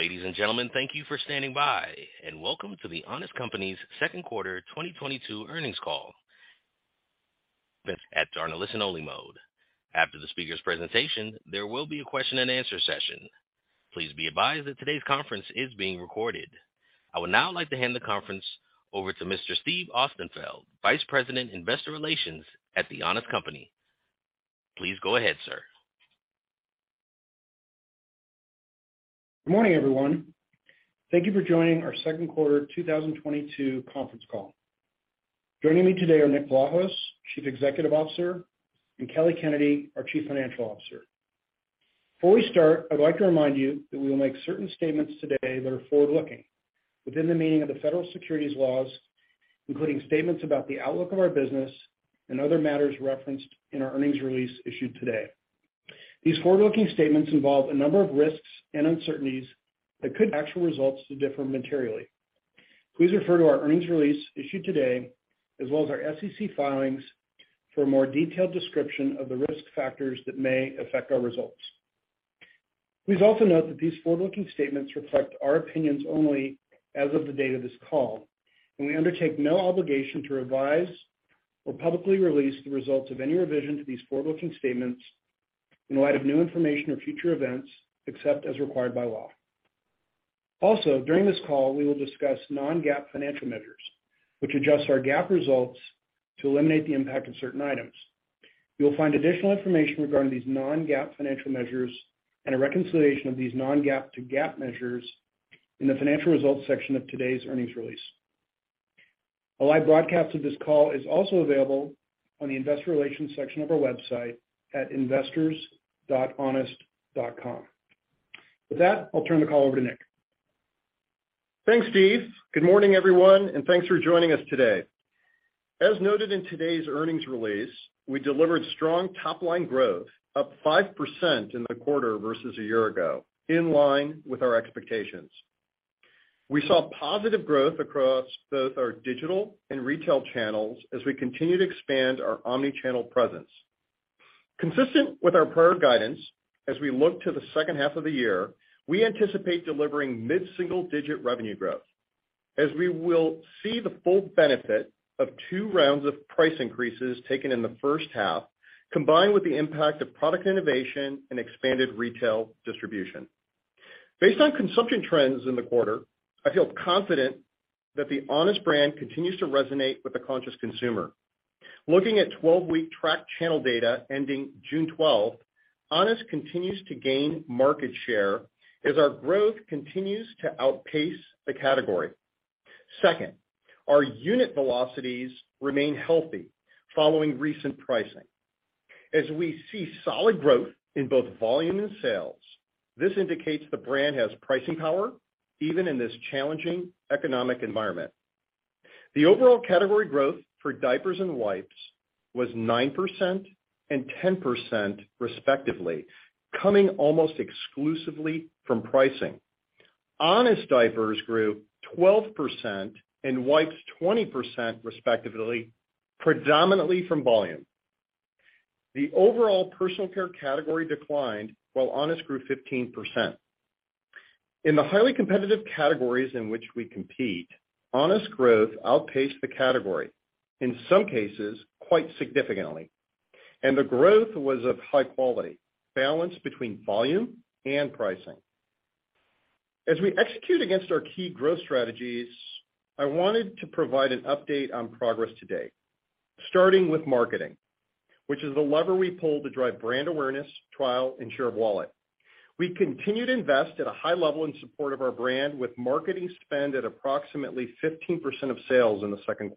Ladies and gentlemen, thank you for standing by, and welcome to The Honest Company's Second Quarter 2022 Earnings Call. The call is now in listen-only mode. After the speaker's presentation, there will be a question-and-answer session. Please be advised that today's conference is being recorded. I would now like to hand the conference over to Mr. Steve Austenfeld, Vice President, Investor Relations at The Honest Company. Please go ahead, sir. Good morning, everyone. Thank you for joining our second quarter 2022 conference call. Joining me today are Nick Vlahos, Chief Executive Officer, and Kelly Kennedy, our Chief Financial Officer. Before we start, I'd like to remind you that we will make certain statements today that are forward-looking within the meaning of the federal securities laws, including statements about the outlook of our business and other matters referenced in our earnings release issued today. These forward-looking statements involve a number of risks and uncertainties that could cause actual results to differ materially. Please refer to our earnings release issued today, as well as our SEC filings for a more detailed description of the risk factors that may affect our results. Please also note that these forward-looking statements reflect our opinions only as of the date of this call, and we undertake no obligation to revise or publicly release the results of any revision to these forward-looking statements in light of new information or future events, except as required by law. Also, during this call, we will discuss non-GAAP financial measures, which adjust our GAAP results to eliminate the impact of certain items. You will find additional information regarding these non-GAAP financial measures and a reconciliation of these non-GAAP to GAAP measures in the financial results section of today's earnings release. A live broadcast of this call is also available on the Investor Relations section of our website at investors.honest.com. With that, I'll turn the call over to Nick. Thanks, Steve. Good morning, everyone, and thanks for joining us today. As noted in today's earnings release, we delivered strong top-line growth, up 5% in the quarter versus a year ago, in line with our expectations. We saw positive growth across both our digital and retail channels as we continue to expand our omni-channel presence. Consistent with our prior guidance, as we look to the second half of the year, we anticipate delivering mid-single-digit revenue growth as we will see the full benefit of two rounds of price increases taken in the first half, combined with the impact of product innovation and expanded retail distribution. Based on consumption trends in the quarter, I feel confident that the Honest brand continues to resonate with the conscious consumer. Looking at 12-week track channel data ending June 12, Honest continues to gain market share as our growth continues to outpace the category. Second, our unit velocities remain healthy following recent pricing. As we see solid growth in both volume and sales, this indicates the brand has pricing power, even in this challenging economic environment. The overall category growth for diapers and wipes was 9% and 10% respectively, coming almost exclusively from pricing. Honest diapers grew 12% and wipes 20% respectively, predominantly from volume. The overall personal care category declined while Honest grew 15%. In the highly competitive categories in which we compete, Honest growth outpaced the category, in some cases, quite significantly, and the growth was of high quality, balanced between volume and pricing. As we execute against our key growth strategies, I wanted to provide an update on progress today, starting with marketing, which is the lever we pull to drive brand awareness, trial, and share of wallet. We continue to invest at a high level in support of our brand with marketing spend at approximately 15% of sales in the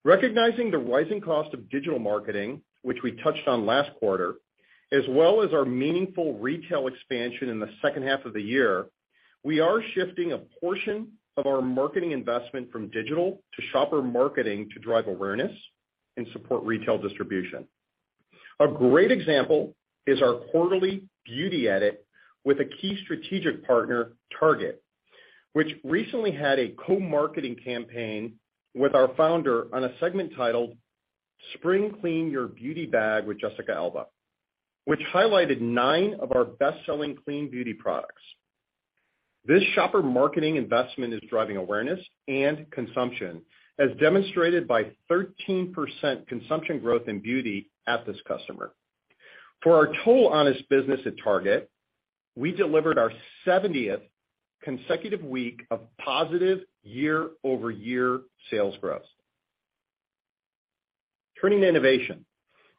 second quarter. Recognizing the rising cost of digital marketing, which we touched on last quarter, as well as our meaningful retail expansion in the second half of the year, we are shifting a portion of our marketing investment from digital to shopper marketing to drive awareness and support retail distribution. A great example is our quarterly beauty edit with a key strategic partner, Target, which recently had a co-marketing campaign with our founder on a segment titled Spring Clean Your Beauty Bag with Jessica Alba, which highlighted nine of our best-selling clean beauty products. This shopper marketing investment is driving awareness and consumption, as demonstrated by 13% consumption growth in beauty at this customer. For our total Honest business at Target, we delivered our 70th consecutive week of positive year-over-year sales growth. Turning to innovation,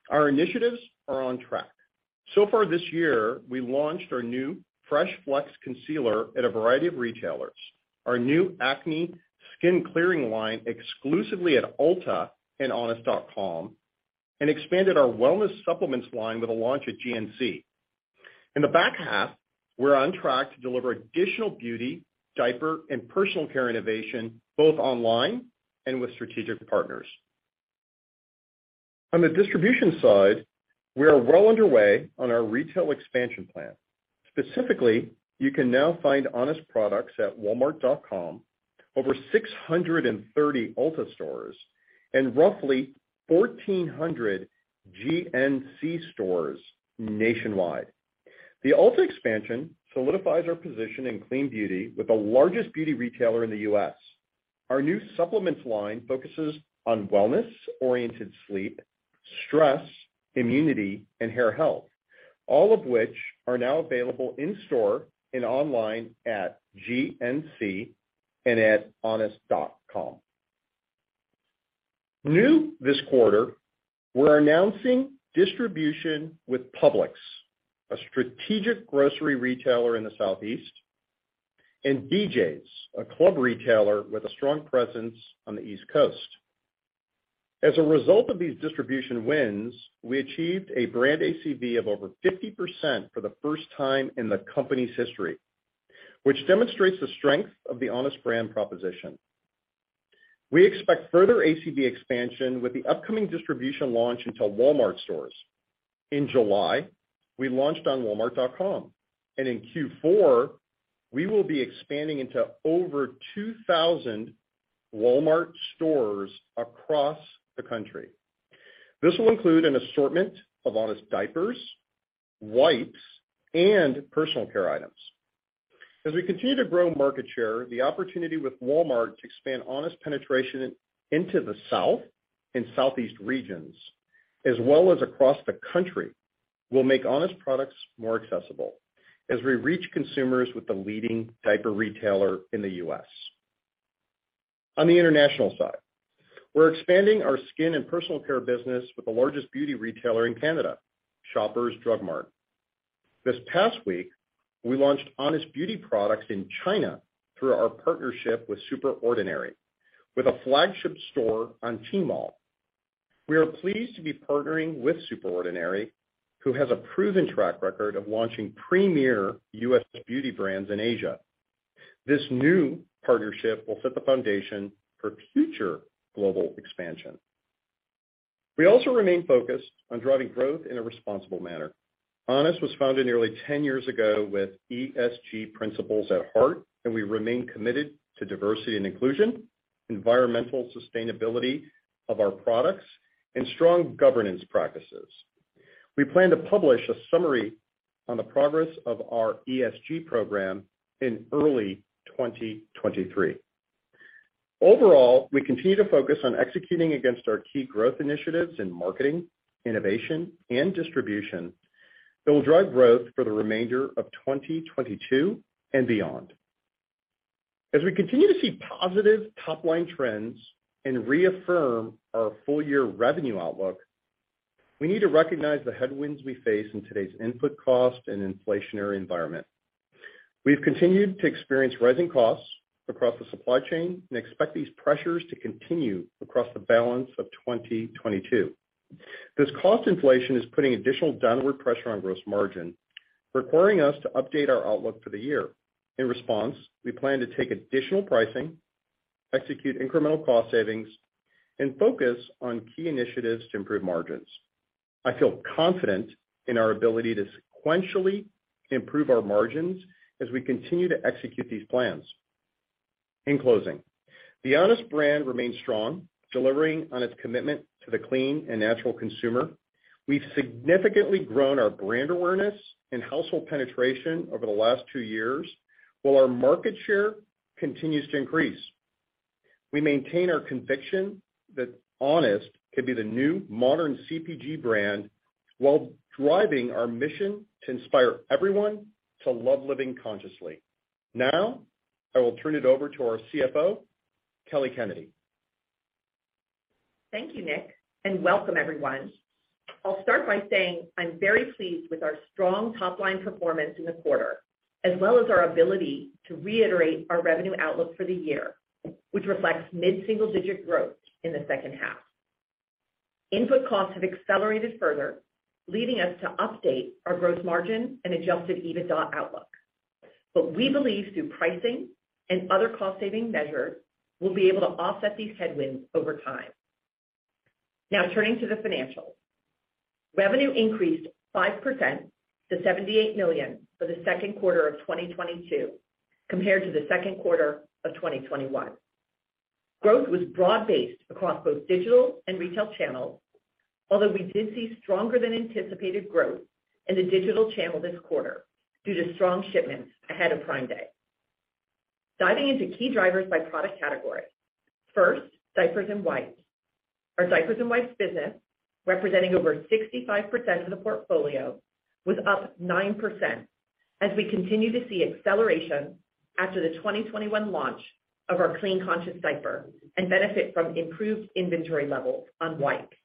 our initiatives are on track. So far this year, we launched our new Fresh Flex Concealer at a variety of retailers, our new acne skin clearing line exclusively at Ulta and honest.com, and expanded our wellness supplements line with a launch at GNC. In the back half, we're on track to deliver additional beauty, diaper, and personal care innovation, both online and with strategic partners. On the distribution side, we are well underway on our retail expansion plan. Specifically, you can now find Honest products at Walmart.com, over 630 Ulta stores and roughly 1,400 GNC stores nationwide. The Ulta expansion solidifies our position in clean beauty with the largest beauty retailer in the U.S. Our new supplements line focuses on wellness-oriented sleep, stress, immunity and hair health, all of which are now available in store and online at GNC and at honest.com. New this quarter, we're announcing distribution with Publix, a strategic grocery retailer in the Southeast, and BJ's, a club retailer with a strong presence on the East Coast. As a result of these distribution wins, we achieved a brand ACV of over 50% for the first time in the company's history, which demonstrates the strength of the Honest brand proposition. We expect further ACV expansion with the upcoming distribution launch into Walmart stores. In July, we launched on walmart.com, and in Q4, we will be expanding into over 2,000 Walmart stores across the country. This will include an assortment of Honest diapers, wipes and personal care items. As we continue to grow market share, the opportunity with Walmart to expand Honest penetration into the South and Southeast regions, as well as across the country, will make Honest products more accessible as we reach consumers with the leading diaper retailer in the U.S. On the international side, we're expanding our skin and personal care business with the largest beauty retailer in Canada, Shoppers Drug Mart. This past week, we launched Honest Beauty products in China through our partnership with SuperOrdinary with a flagship store on Tmall. We are pleased to be partnering with SuperOrdinary, who has a proven track record of launching premier U.S. beauty brands in Asia. This new partnership will set the foundation for future global expansion. We also remain focused on driving growth in a responsible manner. Honest Company was founded nearly 10 years ago with ESG principles at heart, and we remain committed to diversity and inclusion, environmental sustainability of our products and strong governance practices. We plan to publish a summary on the progress of our ESG program in early 2023. Overall, we continue to focus on executing against our key growth initiatives in marketing, innovation and distribution that will drive growth for the remainder of 2022 and beyond. As we continue to see positive top-line trends and reaffirm our full year revenue outlook, we need to recognize the headwinds we face in today's input cost and inflationary environment. We've continued to experience rising costs across the supply chain and expect these pressures to continue across the balance of 2022. This cost inflation is putting additional downward pressure on gross margin, requiring us to update our outlook for the year. In response, we plan to take additional pricing, execute incremental cost savings, and focus on key initiatives to improve margins. I feel confident in our ability to sequentially improve our margins as we continue to execute these plans. In closing, the Honest brand remains strong, delivering on its commitment to the clean and natural consumer. We've significantly grown our brand awareness and household penetration over the last two years, while our market share continues to increase. We maintain our conviction that Honest can be the new modern CPG brand while driving our mission to inspire everyone to love living consciously. Now, I will turn it over to our CFO, Kelly Kennedy. Thank you, Nick, and welcome everyone. I'll start by saying I'm very pleased with our strong top-line performance in the quarter, as well as our ability to reiterate our revenue outlook for the year, which reflects mid-single-digit growth in the second half. Input costs have accelerated further, leading us to update our gross margin and adjusted EBITDA outlook. We believe through pricing and other cost saving measures, we'll be able to offset these headwinds over time. Now turning to the financials. Revenue increased 5% to $78 million for the second quarter of 2022 compared to the second quarter of 2021. Growth was broad-based across both digital and retail channels. Although we did see stronger than anticipated growth in the digital channel this quarter due to strong shipments ahead of Prime Day. Diving into key drivers by product category. First, diapers and wipes. Our diapers and wipes business, representing over 65% of the portfolio, was up 9% as we continue to see acceleration after the 2021 launch of our Clean Conscious Diaper and benefit from improved inventory levels on wipes.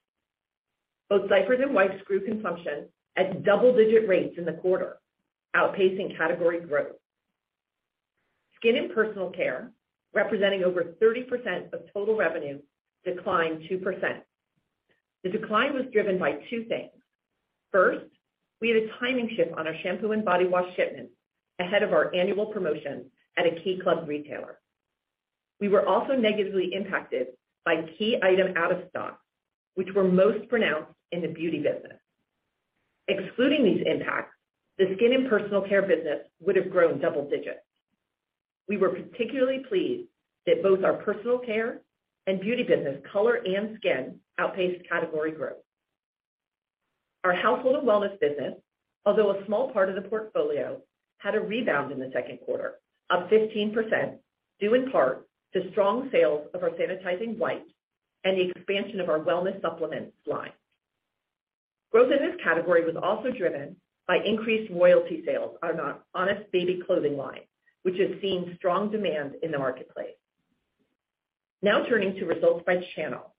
Both diapers and wipes grew consumption at double-digit rates in the quarter, outpacing category growth. Skin and personal care, representing over 30% of total revenue, declined 2%. The decline was driven by two things. First, we had a timing shift on our shampoo and body wash shipments ahead of our annual promotion at a key club retailer. We were also negatively impacted by key item out of stock, which were most pronounced in the beauty business. Excluding these impacts, the skin and personal care business would have grown double digits. We were particularly pleased that both our personal care and beauty business, color and skin, outpaced category growth. Our household and wellness business, although a small part of the portfolio, had a rebound in the second quarter, up 15%, due in part to strong sales of our sanitizing wipes and the expansion of our wellness supplements line. Growth in this category was also driven by increased royalty sales on our Honest Baby clothing line, which has seen strong demand in the marketplace. Now turning to results by channel.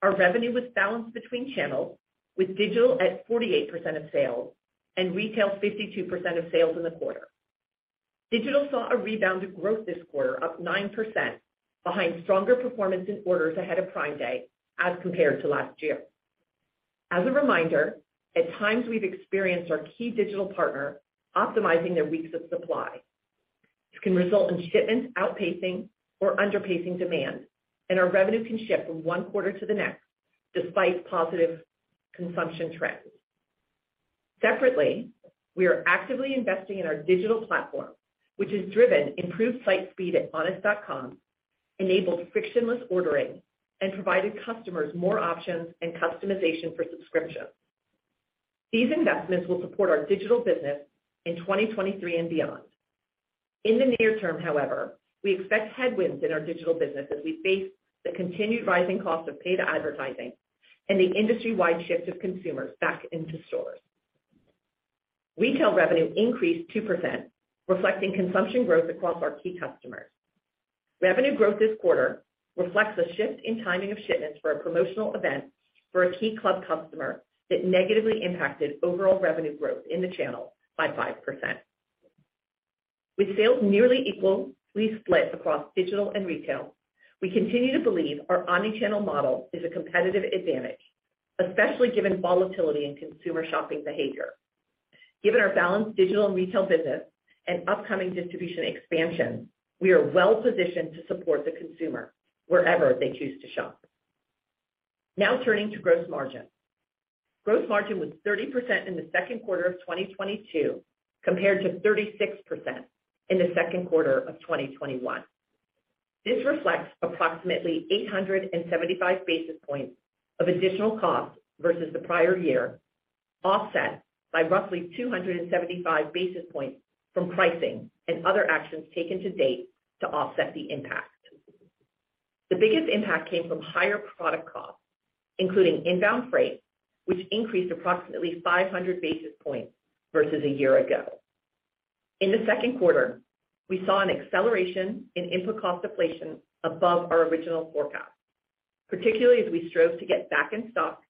Our revenue was balanced between channels, with digital at 48% of sales and retail 52% of sales in the quarter. Digital saw a rebound of growth this quarter, up 9%, behind stronger performance in orders ahead of Prime Day as compared to last year. As a reminder, at times we've experienced our key digital partner optimizing their weeks of supply. This can result in shipments outpacing or under pacing demand, and our revenue can shift from one quarter to the next despite positive consumption trends. Separately, we are actively investing in our digital platform, which has driven improved site speed at honest.com, enabled frictionless ordering, and provided customers more options and customization for subscription. These investments will support our digital business in 2023 and beyond. In the near term, however, we expect headwinds in our digital business as we face the continued rising cost of paid advertising and the industry-wide shift of consumers back into stores. Retail revenue increased 2%, reflecting consumption growth across our key customers. Revenue growth this quarter reflects a shift in timing of shipments for a promotional event for a key club customer that negatively impacted overall revenue growth in the channel by 5%. With sales nearly equally split across digital and retail, we continue to believe our omni-channel model is a competitive advantage, especially given volatility in consumer shopping behavior. Given our balanced digital and retail business and upcoming distribution expansion, we are well positioned to support the consumer wherever they choose to shop. Now turning to gross margin. Gross margin was 30% in the second quarter of 2022, compared to 36% in the second quarter of 2021. This reflects approximately 875 basis points of additional costs versus the prior year, offset by roughly 275 basis points from pricing and other actions taken to date to offset the impact. The biggest impact came from higher product costs, including inbound freight, which increased approximately 500 basis points versus a year ago. In the second quarter, we saw an acceleration in input cost inflation above our original forecast, particularly as we strove to get back in stock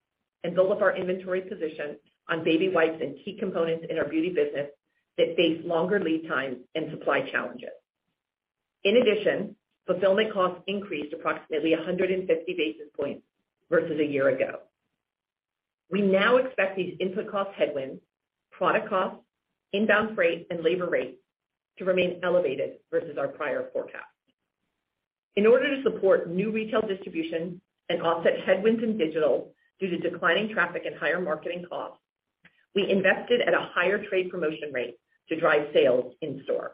and build up our inventory position on baby wipes and key components in our beauty business that face longer lead times and supply challenges. In addition, fulfillment costs increased approximately 150 basis points versus a year ago. We now expect these input cost headwinds, product costs, inbound freight, and labor rates to remain elevated versus our prior forecast. In order to support new retail distribution and offset headwinds in digital due to declining traffic and higher marketing costs, we invested at a higher trade promotion rate to drive sales in store.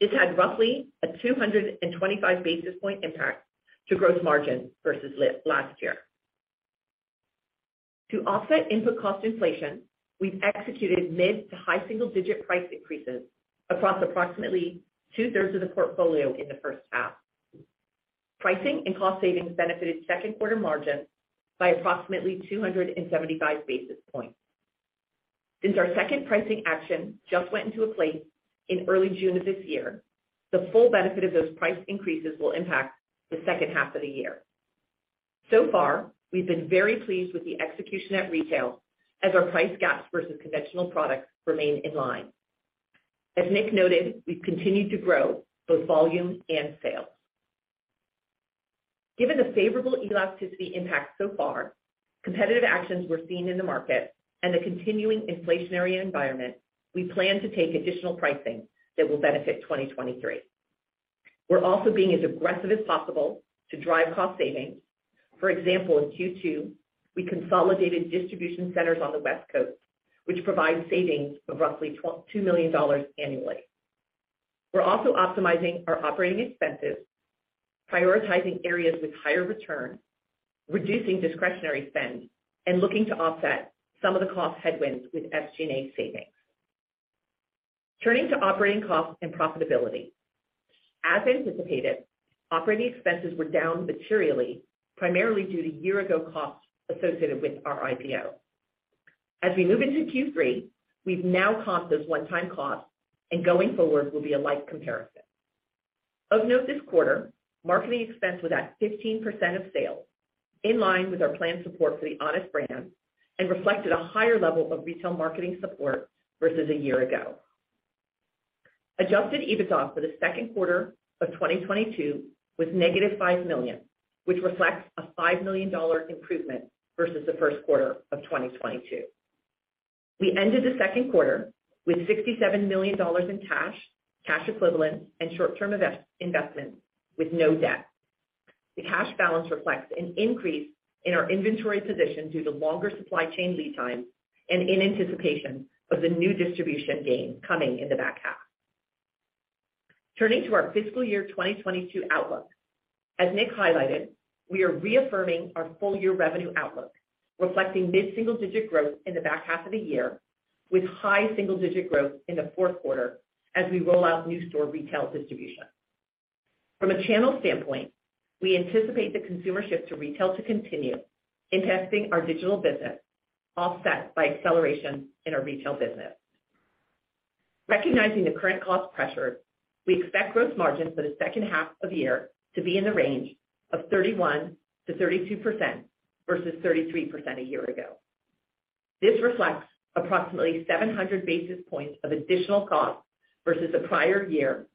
This had roughly a 225 basis point impact to gross margin versus last year. To offset input cost inflation, we've executed mid- to high single-digit price increases across approximately 2/3 of the portfolio in the first half. Pricing and cost savings benefited second quarter margins by approximately 275 basis points. Since our second pricing action just went into a place in early June of this year, the full benefit of those price increases will impact the second half of the year. So far, we've been very pleased with the execution at retail as our price gaps versus conventional products remain in line. As Nick noted, we've continued to grow both volume and sales. Given the favorable elasticity impact so far, competitive actions we're seeing in the market and the continuing inflationary environment, we plan to take additional pricing that will benefit 2023. We're also being as aggressive as possible to drive cost savings. For example, in Q2, we consolidated distribution centers on the West Coast, which provides savings of roughly $2 million annually. We're also optimizing our operating expenses, prioritizing areas with higher return, reducing discretionary spend, and looking to offset some of the cost headwinds with SG&A savings. Turning to operating costs and profitability. As anticipated, operating expenses were down materially, primarily due to year-ago costs associated with our IPO. As we move into Q3, we've now caught those one-time costs and going forward will be a like comparison. Of note this quarter, marketing expense was at 15% of sales, in line with our planned support for the Honest brand, and reflected a higher level of retail marketing support versus a year ago. Adjusted EBITDA for the second quarter of 2022 was negative $5 million, which reflects a $5 million improvement versus the first quarter of 2022. We ended the second quarter with $67 million in cash equivalents, and short-term investments, with no debt. The cash balance reflects an increase in our inventory position due to longer supply chain lead times and in anticipation of the new distribution gain coming in the back half. Turning to our fiscal year 2022 outlook. As Nick highlighted, we are reaffirming our full-year revenue outlook, reflecting mid-single-digit growth in the back half of the year with high single-digit growth in the fourth quarter as we roll out new store retail distribution. From a channel standpoint, we anticipate the consumer shift to retail to continue, impacting our digital business, offset by acceleration in our retail business. Recognizing the current cost pressure, we expect gross margins for the second half of the year to be in the range of 31%-32% versus 33% a year ago. This reflects approximately 700 basis points of additional cost versus the prior year,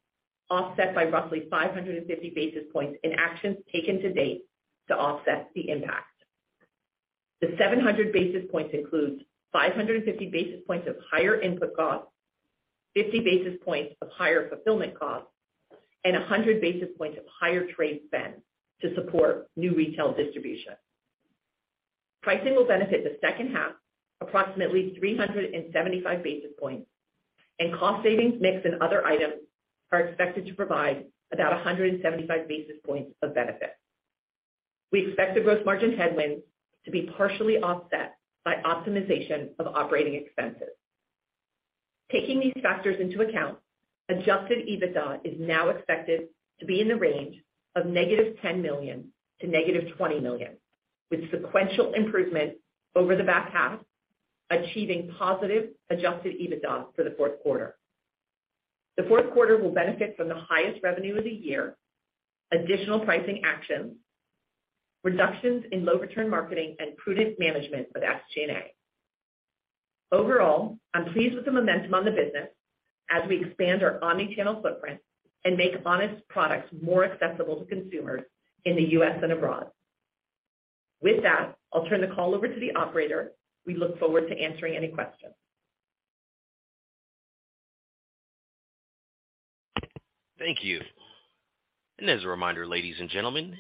offset by roughly 550 basis points in actions taken to date to offset the impact. The 700 basis points includes 550 basis points of higher input costs, 50 basis points of higher fulfillment costs, and 100 basis points of higher trade spend to support new retail distribution. Pricing will benefit the second half, approximately 375 basis points, and cost savings mix and other items are expected to provide about 175 basis points of benefit. We expect the gross margin headwind to be partially offset by optimization of operating expenses. Taking these factors into account, adjusted EBITDA is now expected to be in the range of -$10 million to -$20 million, with sequential improvement over the back half, achieving positive adjusted EBITDA for the fourth quarter. The fourth quarter will benefit from the highest revenue of the year, additional pricing actions, reductions in low return marketing and prudent management of SG&A. Overall, I'm pleased with the momentum on the business as we expand our omni-channel footprint and make Honest products more accessible to consumers in the U.S. and abroad. With that, I'll turn the call over to the operator. We look forward to answering any questions. Thank you. As a reminder, ladies and gentlemen,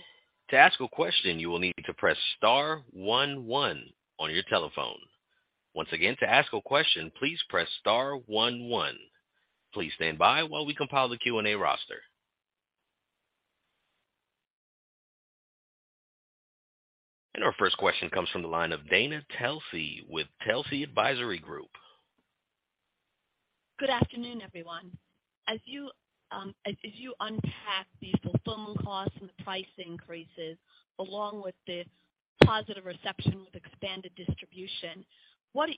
to ask a question, you will need to press star one one on your telephone. Once again, to ask a question, please press star one one. Please stand by while we compile the Q&A roster. Our first question comes from the line of Dana Telsey with Telsey Advisory Group. Good afternoon, everyone. As you unpack these fulfillment costs and the price increases, along with the positive reception with expanded distribution,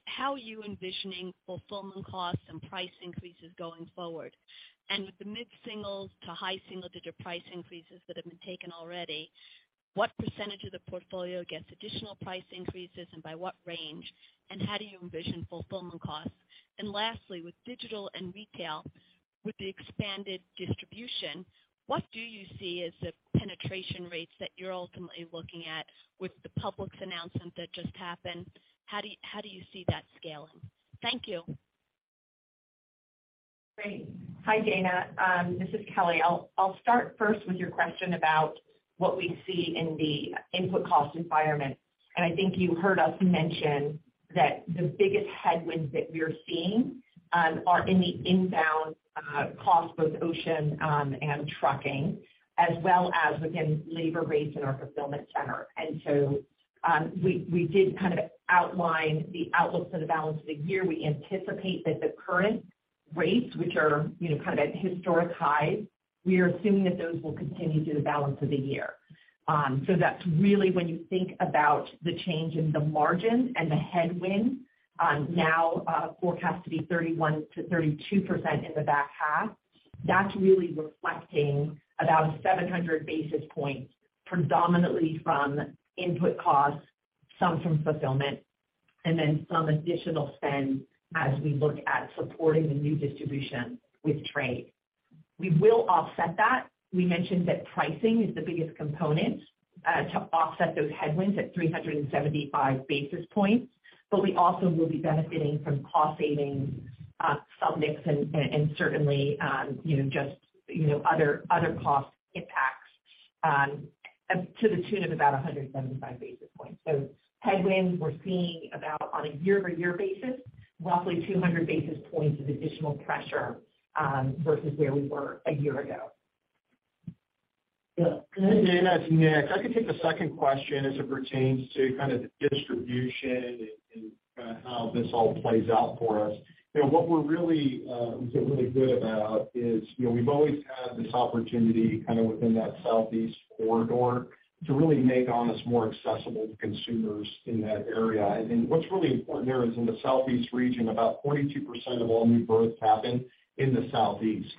how are you envisioning fulfillment costs and price increases going forward? With the mid-single- to high single-digit price increases that have been taken already, what percentage of the portfolio gets additional price increases and by what range, and how do you envision fulfillment costs? Lastly, with digital and retail, with the expanded distribution, what do you see as the penetration rates that you're ultimately looking at with the Publix announcement that just happened? How do you see that scaling? Thank you. Great. Hi, Dana. This is Kelly. I'll start first with your question about what we see in the input cost environment. I think you heard us mention that the biggest headwinds that we're seeing are in the inbound cost, both ocean and trucking, as well as again, labor rates in our fulfillment center. We did kind of outline the outlook for the balance of the year. We anticipate that the current rates, which are, you know, kind of at historic highs, we are assuming that those will continue through the balance of the year. That's really when you think about the change in the margin and the headwind, now forecast to be 31%-32% in the back half. That's really reflecting about 700 basis points, predominantly from input costs, some from fulfillment, and then some additional spend as we look at supporting the new distribution with trade. We will offset that. We mentioned that pricing is the biggest component to offset those headwinds at 375 basis points. We also will be benefiting from cost savings, some mix and certainly, you know, just, you know, other cost impacts to the tune of about 175 basis points. Headwind, we're seeing about on a year-over-year basis, roughly 200 basis points of additional pressure versus where we were a year ago. Yeah. Dana, it's Nick. I could take the second question as it pertains to kind of the distribution and kinda how this all plays out for us. You know, what we feel really good about is, you know, we've always had this opportunity kind of within that Southeast corridor to really make Honest more accessible to consumers in that area. I think what's really important there is in the Southeast region, about 42% of all new births happen in the Southeast.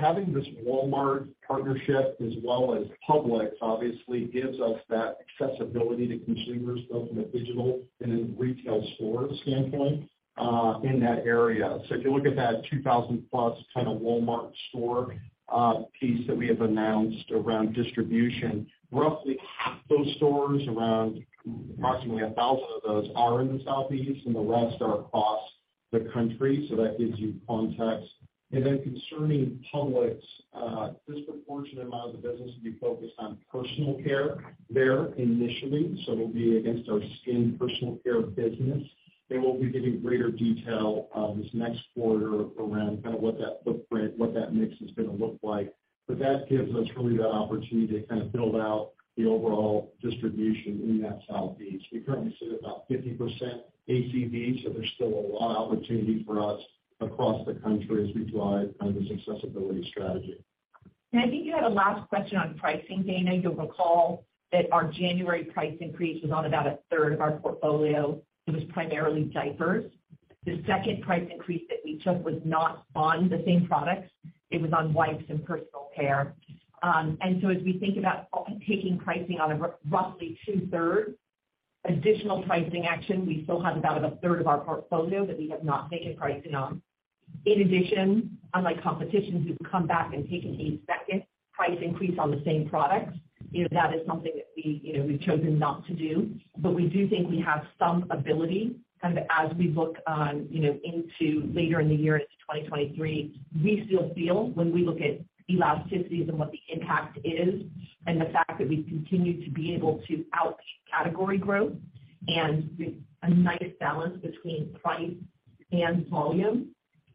Having this Walmart partnership as well as Publix obviously gives us that accessibility to consumers both in a digital and in retail store standpoint in that area. If you look at that 2,000+ kinda Walmart store piece that we have announced around distribution, roughly half those stores, around approximately 1,000 of those are in the Southeast and the rest are across the country, that gives you context. Concerning Publix, disproportionate amount of the business will be focused on personal care there initially. It'll be against our skin personal care business. We'll be giving greater detail this next quarter around kind of what that footprint, what that mix is gonna look like. That gives us really that opportunity to kind of build out the overall distribution in that Southeast. We currently sit at about 50% ACV, so there's still a lot of opportunity for us across the country as we drive kind of this accessibility strategy. I think you had a last question on pricing, Dana. You'll recall that our January price increase was on about a third of our portfolio. It was primarily diapers. The second price increase that we took was not on the same products. It was on wipes and personal care. As we think about taking pricing on roughly 2/3 additional pricing action, we still have about 1/3 of our portfolio that we have not taken pricing on. In addition, unlike competitors, we've come back and taken a second price increase on the same products. You know, that is something that we, you know, we've chosen not to do. But we do think we have some ability kind of as we look on, you know, into later in the year into 2023. We still feel, when we look at elasticities and what the impact is and the fact that we've continued to be able to outpace category growth and a nice balance between price and volume,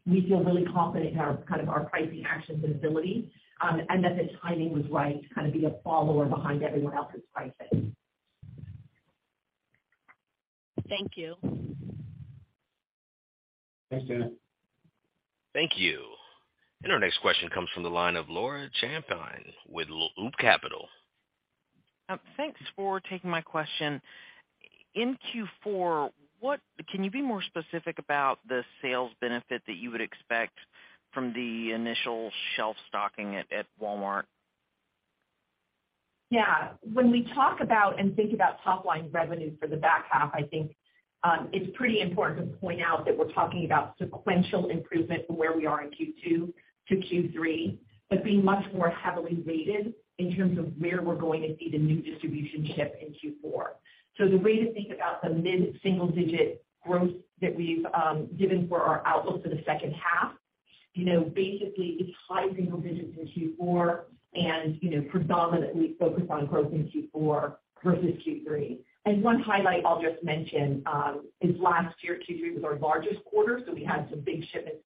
we feel really confident in our, kind of our pricing actions and ability, and that the timing was right to kind of be a follower behind everyone else's pricing. Thank you. Thanks, Dana. Thank you. Our next question comes from the line of Laura Champine with Loop Capital. Thanks for taking my question. In Q4, can you be more specific about the sales benefit that you would expect from the initial shelf stocking at Walmart? Yeah. When we talk about and think about top line revenue for the back half, I think it's pretty important to point out that we're talking about sequential improvement from where we are in Q2 to Q3, but being much more heavily weighted in terms of where we're going to see the new distribution ship in Q4. The way to think about the mid-single digit growth that we've given for our outlook for the second half, you know, basically it's high single digits in Q4 and, you know, predominantly focused on growth in Q4 versus Q3. One highlight I'll just mention is last year, Q3 was our largest quarter, so we had some big shipments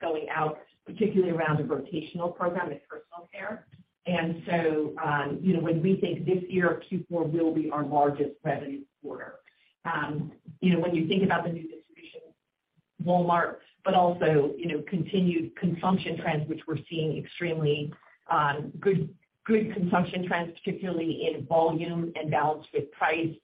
going out, particularly around the rotational program in personal care. You know, when we think this year, Q4 will be our largest revenue quarter. You know, when you think about the new distribution, Walmart, but also, you know, continued consumption trends, which we're seeing extremely good consumption trends, particularly in volume and balanced with price,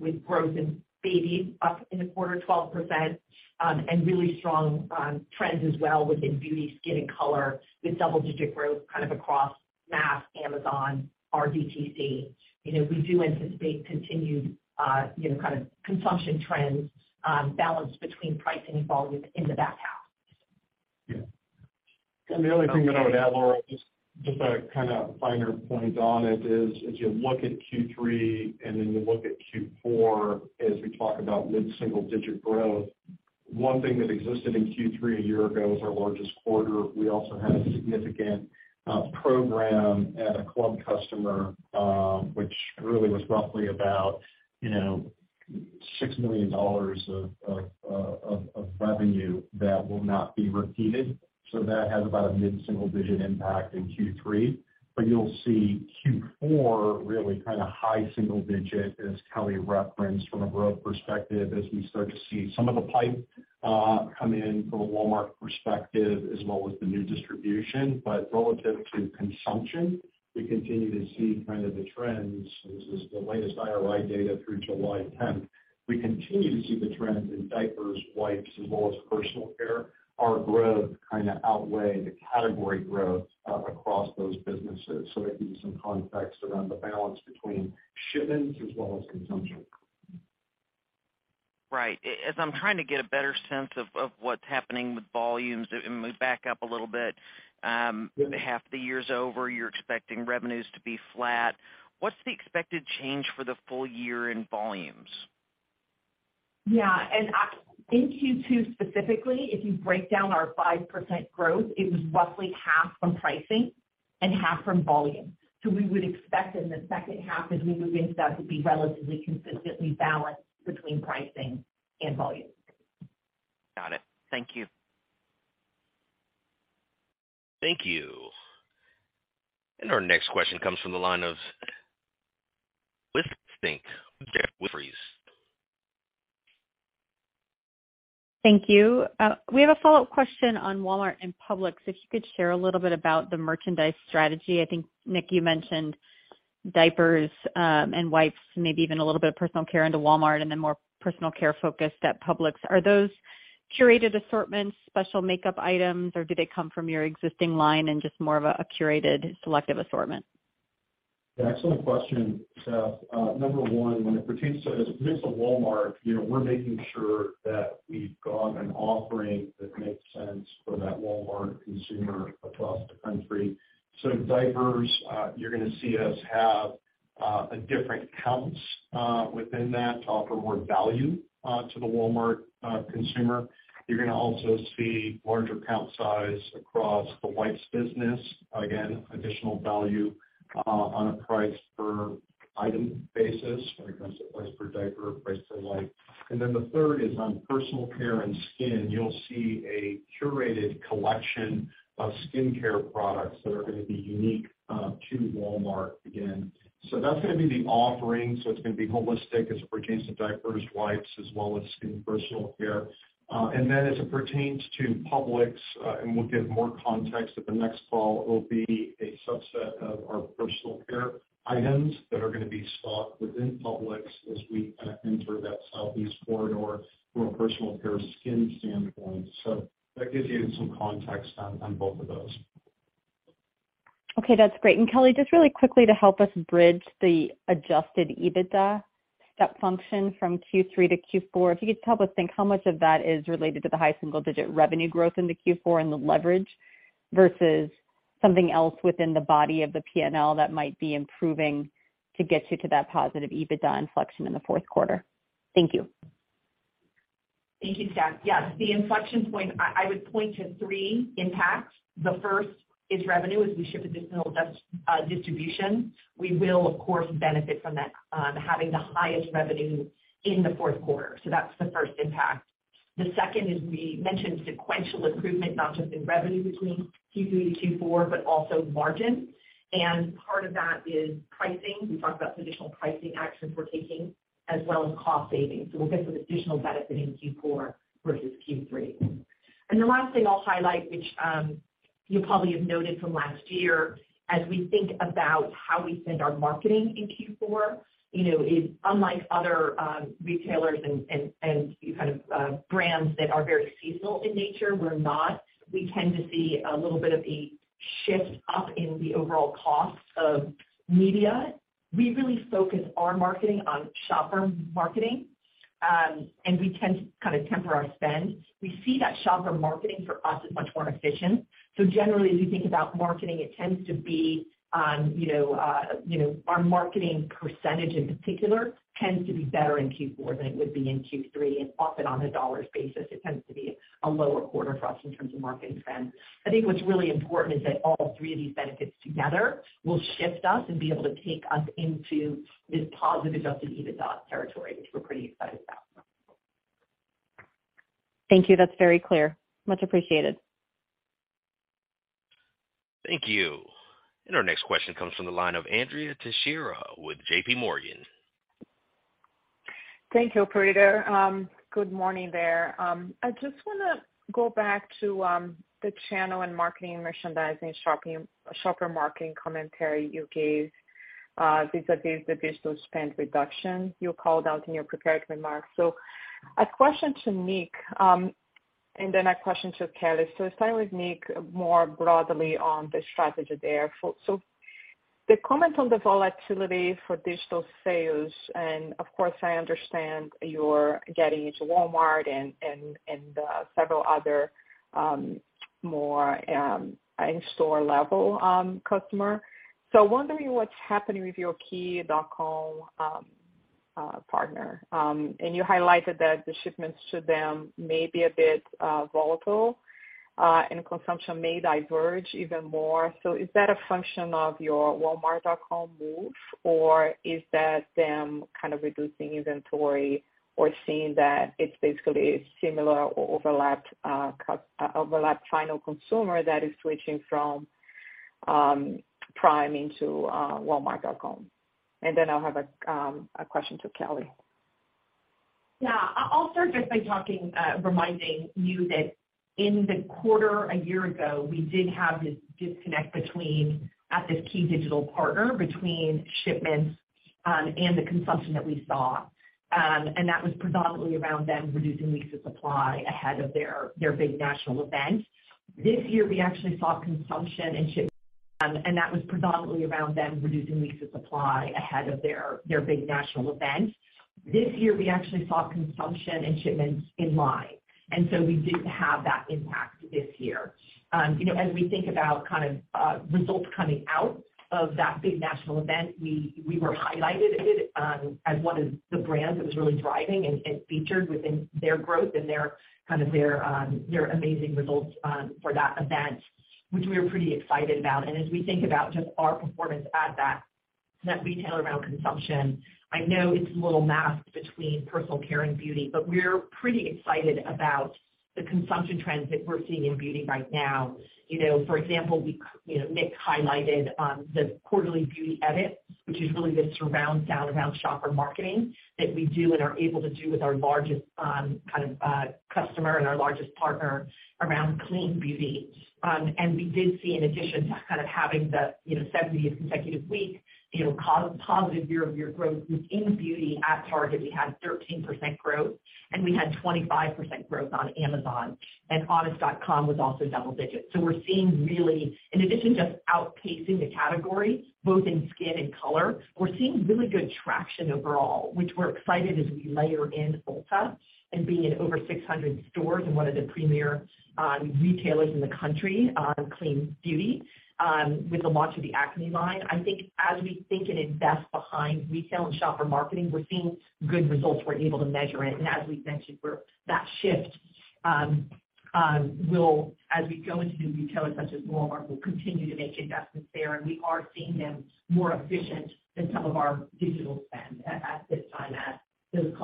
with growth in babies up in the quarter 12%, and really strong trends as well within beauty, skin and color with double-digit growth kind of across mass, Amazon, our DTC. You know, we do anticipate continued, you know, kind of consumption trends, balanced between pricing and volume in the back half. Yeah. The only thing that I would add, Laura, just to kind of fine point on it, is as you look at Q3 and then you look at Q4, as we talk about mid-single digit growth, one thing that existed in Q3 a year ago was our largest quarter. We also had a significant program at a club customer, which really was roughly about, you know, $6 million of revenue that will not be repeated. That has about a mid-single digit impact in Q3. You'll see Q4 really kind of high single digit as Kelly referenced from a growth perspective as we start to see some of the pipeline come in from a Walmart perspective as well as the new distribution. Relative to consumption, we continue to see kind of the trends. This is the latest IRI data through July 10th. We continue to see the trends in diapers, wipes as well as personal care. Our growth kinda outweigh the category growth across those businesses. That gives you some context around the balance between shipments as well as consumption. Right. As I'm trying to get a better sense of what's happening with volumes and we back up a little bit, half the year's over, you're expecting revenues to be flat. What's the expected change for the full year in volumes? In Q2 specifically, if you break down our 5% growth, it was roughly half from pricing and half from volume. We would expect in the second half as we move into that to be relatively consistently balanced between pricing and volume. Got it. Thank you. Thank you. Our next question comes from the line of with Steph Wissink with Jefferies. Thank you. We have a follow-up question on Walmart and Publix. If you could share a little bit about the merchandise strategy? I think Nick, you mentioned diapers, and wipes, maybe even a little bit of personal care into Walmart and then more personal care focus at Publix. Are those curated assortments, special makeup items, or do they come from your existing line and just more of a curated selective assortment? Yeah, excellent question, Steph. Number one, when it pertains to Walmart, you know, we're making sure that we've got an offering that makes sense for that Walmart consumer across the country. Diapers, you're gonna see us have a different counts within that to offer more value to the Walmart consumer. You're gonna also see larger count size across the wipes business. Again, additional value on a price per item basis when it comes to price per diaper, price per wipe. The third is on personal care and skin. You'll see a curated collection of skincare products that are gonna be unique to Walmart again. That's gonna be the offering. It's gonna be holistic as it pertains to diapers, wipes, as well as skin personal care. As it pertains to Publix, we'll give more context at the next call. It will be a subset of our personal care items that are gonna be stocked within Publix as we kinda enter that southeast corridor from a personal care skin standpoint. That gives you some context on both of those. Okay, that's great. Kelly, just really quickly to help us bridge the adjusted EBITDA step function from Q3 to Q4, if you could help us think how much of that is related to the high single-digit revenue growth into Q4 and the leverage versus something else within the body of the P&L that might be improving to get you to that positive EBITDA inflection in the fourth quarter. Thank you. Thank you, Steph. Yes, the inflection point, I would point to three impacts. The first is revenue. As we ship additional distribution, we will of course benefit from that, having the highest revenue in the fourth quarter. That's the first impact. The second is we mentioned sequential improvement not just in revenue between Q3 to Q4, but also margin. Part of that is pricing. We talked about some additional pricing actions we're taking as well as cost savings. We'll get some additional benefit in Q4 versus Q3. The last thing I'll highlight, which you probably have noted from last year as we think about how we spend our marketing in Q4, you know, is unlike other retailers and kind of brands that are very seasonal in nature, we're not. We tend to see a little bit of a shift up in the overall cost of media. We really focus our marketing on shopper marketing, and we tend to kinda temper our spend. We see that shopper marketing for us is much more efficient. Generally, as you think about marketing, it tends to be, you know, our marketing percentage in particular tends to be better in Q4 than it would be in Q3. Often on a dollars basis, it tends to be a lower quarter for us in terms of marketing trends. I think what's really important is that all three of these benefits together will shift us and be able to take us into this positive adjusted EBITDA territory, which we're pretty excited about. Thank you. That's very clear. Much appreciated. Thank you. Our next question comes from the line of Andrea Teixeira with JPMorgan. Thank you, operator. Good morning there. I just wanna go back to the channel and marketing merchandising shopping, shopper marketing commentary you gave vis-à-vis the digital spend reduction you called out in your prepared remarks. A question to Nick, and then a question to Kelly. Starting with Nick, more broadly on the strategy there. The comment on the volatility for digital sales, and of course, I understand you're getting into Walmart and several other more in-store level customer. Wondering what's happening with your key dot-com partner. You highlighted that the shipments to them may be a bit volatile, and consumption may diverge even more. Is that a function of your Walmart.com move, or is that them kind of reducing inventory or seeing that it's basically a similar or overlapping final consumer that is switching from Prime into Walmart.com? Then I'll have a question to Kelly. Yeah. I'll start just by talking, reminding you that in the quarter a year ago, we did have this disconnect between shipments at this key digital partner and the consumption that we saw. That was predominantly around them reducing weeks of supply ahead of their big national event. This year, we actually saw consumption and shipments in line, and so we didn't have that impact this year. You know, as we think about kind of results coming out of that big national event, we were highlighted as one of the brands that was really driving and featured within their growth and their kind of amazing results for that event, which we are pretty excited about. As we think about just our performance at that retailer around consumption, I know it's a little masked between personal care and beauty, but we are pretty excited about the consumption trends that we're seeing in beauty right now. You know, for example, Nick highlighted the quarterly beauty edit, which is really this surround sound around shopper marketing that we do and are able to do with our largest kind of customer and our largest partner around clean beauty. We did see in addition to kind of having the, you know, seventh consecutive week, you know, positive year-over-year growth within beauty at Target. We had 13% growth, and we had 25% growth on Amazon, and honest.com was also double digits. We're seeing really, in addition to outpacing the category, both in skin and color, we're seeing really good traction overall, which we're excited as we layer in Ulta and being in over 600 stores and one of the premier retailers in the country on clean beauty with the launch of the acne line. I think as we think and invest behind retail and shopper marketing, we're seeing good results we're able to measure in. As we've mentioned, as we go into new retailers such as Walmart, we'll continue to make investments there, and we are seeing them more efficient than some of our digital spend at this time as those costs are being elevated. Yeah. The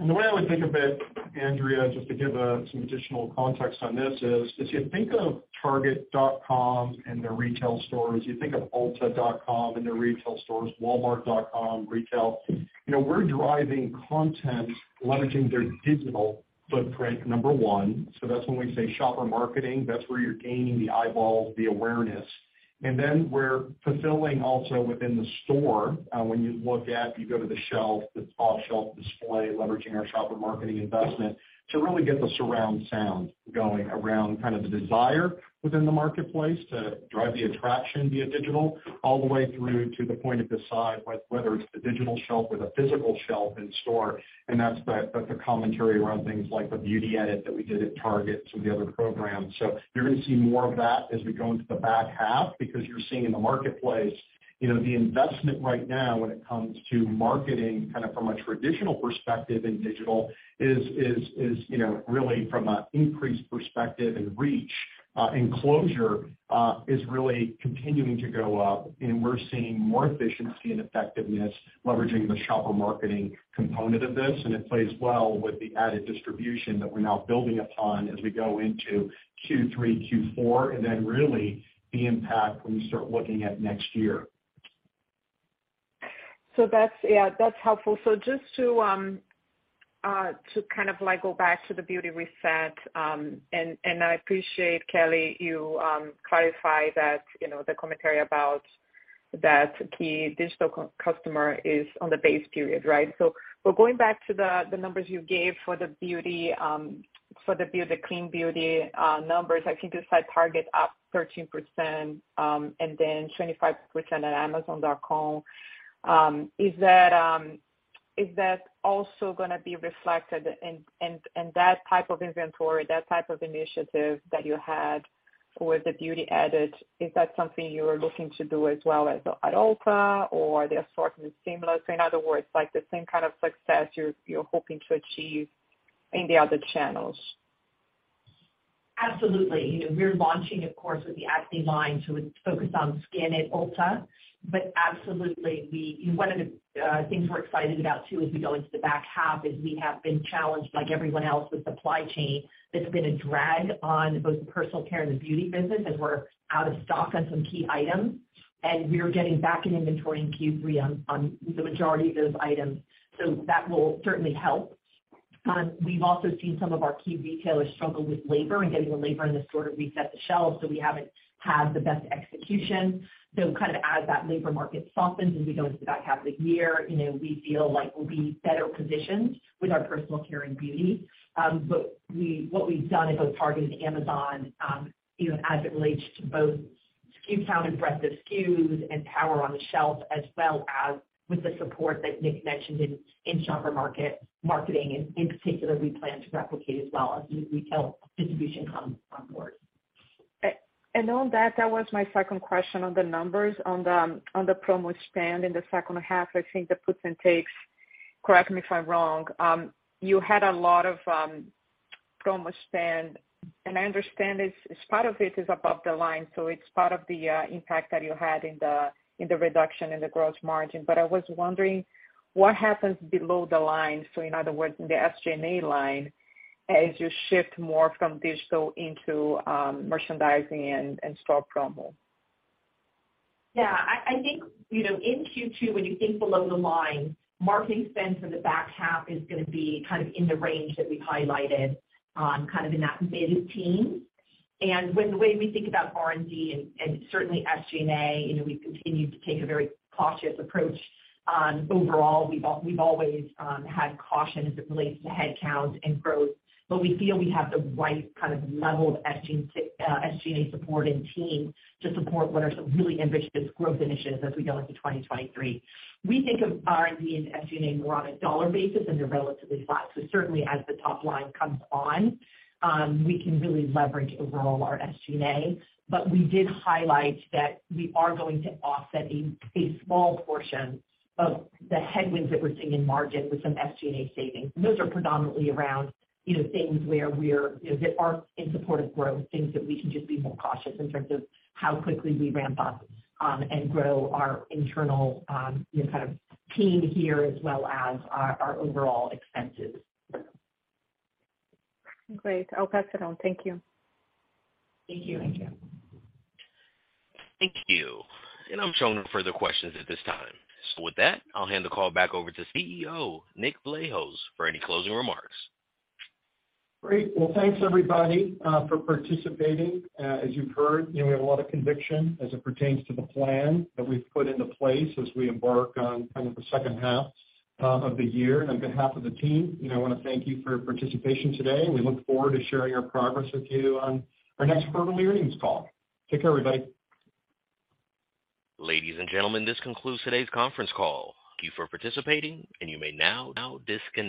way I would think of it, Andrea, just to give some additional context on this is, if you think of Target.com and their retail stores, you think of Ulta.com and their retail stores, Walmart.com, retail, you know, we're driving content leveraging their digital footprint, number one. That's when we say shopper marketing, that's where you're gaining the eyeballs, the awareness. We're fulfilling also within the store, when you look at, you go to the shelf, the top shelf display, leveraging our shopper marketing investment to really get the surround sound going around kind of the desire within the marketplace to drive the attraction via digital all the way through to the point of decision whether it's the digital shelf or the physical shelf in store, and that's the commentary around things like the beauty edit that we did at Target, some of the other programs. You're gonna see more of that as we go into the back half because you're seeing in the marketplace, you know, the investment right now when it comes to marketing kind of from a traditional perspective in digital is, you know, really from an increased perspective and reach, and closure, is really continuing to go up and we're seeing more efficiency and effectiveness leveraging the shopper marketing component of this and it plays well with the added distribution that we're now building upon as we go into Q3, Q4 and then really the impact when we start looking at next year. That's helpful. Just to kind of like go back to the beauty reset, and I appreciate, Kelly, you clarified that, you know, the commentary about that key digital customer is on the base period, right? Going back to the numbers you gave for the beauty clean beauty numbers, I think you said Target up 13%, and then 25% at Amazon.com. Is that also gonna be reflected in that type of inventory, that type of initiative that you had with the beauty edit, is that something you are looking to do as well as at Ulta or the assortment is seamless? In other words, like the same kind of success you're hoping to achieve in the other channels. Absolutely. You know, we're launching of course with the acne line, so it's focused on skin at Ulta. Absolutely one of the things we're excited about too as we go into the back half is we have been challenged like everyone else with supply chain. That's been a drag on both the personal care and the beauty business, and we're out of stock on some key items. We're getting back in inventory in Q3 on the majority of those items. That will certainly help. We've also seen some of our key retailers struggle with labor and getting the labor and the sort of reset the shelves, so we haven't had the best execution. Kind of as that labor market softens as we go into the back half of the year, you know, we feel like we'll be better positioned with our personal care and beauty. But we've done at both Target and Amazon, you know, as it relates to both SKU count and breadth of SKUs and power on the shelf as well as with the support that Nick mentioned in shopper marketing in particular, we plan to replicate as well as new retail distribution come on board. On that was my second question on the numbers on the promo spend in the second half. I think the puts and takes, correct me if I'm wrong, you had a lot of promo spend. I understand it's part of it is above the line, so it's part of the impact that you had in the reduction in the gross margin. I was wondering what happens below the line, so in other words, in the SG&A line, as you shift more from digital into merchandising and store promo? Yeah. I think, you know, in Q2, when you think below the line, marketing spend for the back half is gonna be kind of in the range that we've highlighted, kind of in that mid-teens. The way we think about R&D and certainly SG&A, you know, we've continued to take a very cautious approach. Overall we've always had caution as it relates to headcounts and growth, but we feel we have the right kind of level of SG&A support and team to support what are some really ambitious growth initiatives as we go into 2023. We think of R&D and SG&A more on a dollar basis and they're relatively flat. Certainly as the top line comes on, we can really leverage overall our SG&A. We did highlight that we are going to offset a small portion of the headwinds that we're seeing in margin with some SG&A savings. Those are predominantly around, you know, things where we're, you know, that are in support of growth, things that we can just be more cautious in terms of how quickly we ramp up and grow our internal, you know, kind of team here as well as our overall expenses. Great. I'll pass it on. Thank you. Thank you. Thank you. I'm showing no further questions at this time. With that, I'll hand the call back over to CEO Nick Vlahos for any closing remarks. Great. Well, thanks everybody for participating. As you've heard, you know, we have a lot of conviction as it pertains to the plan that we've put into place as we embark on kind of the second half of the year. On behalf of the team, you know, I wanna thank you for your participation today. We look forward to sharing our progress with you on our next quarterly earnings call. Take care, everybody. Ladies and gentlemen, this concludes today's conference call. Thank you for participating, and you may now disconnect.